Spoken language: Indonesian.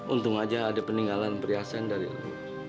untung aja ada peninggalan pria sen dari lo